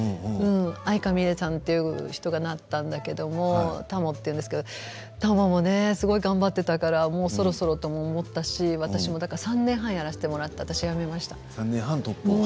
愛華みれちゃんという方がなったんだけれどもたもというんですけれども頑張っていたからもうそろそろと思ったしただし３年半やらしてもらってやめました。